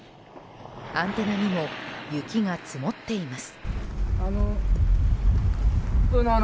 アンテナにも雪が積もっています。